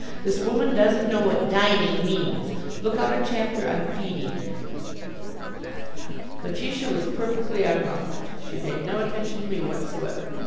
This woman doesn't know what dining means. Look out a chapter on feeding." Letitia was perfectly unruffled. She paid no attention to me whatsoever.